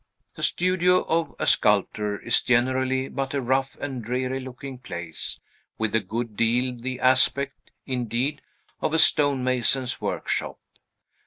The studio of a sculptor is generally but a rough and dreary looking place, with a good deal the aspect, indeed, of a stone mason's workshop.